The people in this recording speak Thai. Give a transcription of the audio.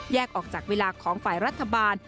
ออกจากเวลาของฝ่ายรัฐบาล